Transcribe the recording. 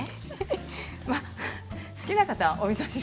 好きな方は、おみそ汁に。